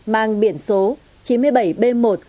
mang biển số chín mươi bảy b một một trăm sáu mươi năm mươi hai